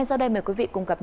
đã được cung cấp